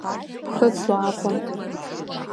Ԥхыӡла акәын…